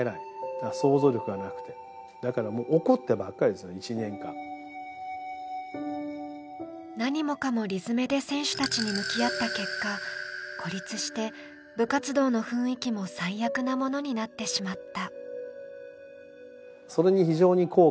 しかし当時は何もかも理詰めで選手たちに向き合った結果、孤立して、部活動の雰囲気も最悪なものになってしまった。